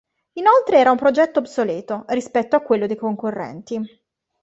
Inoltre era un progetto obsoleto, rispetto a quello dei concorrenti.